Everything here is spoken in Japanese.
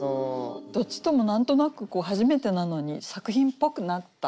どっちとも何となく初めてなのに作品っぽくなった。